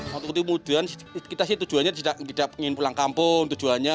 waktu itu kemudian kita sih tujuannya tidak ingin pulang kampung tujuannya